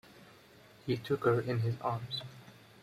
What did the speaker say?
He took her in his arms.